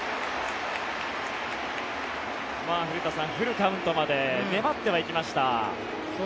古田さん、フルカウントまで粘ってはいきました。